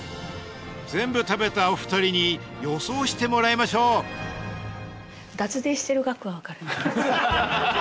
全部食べたお二人に予想してもらいましょう脱税してる額はわかるんだけど。